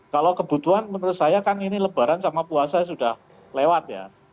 kalau kebutuhan menurut saya kan ini lebaran sama puasa sudah lewat ya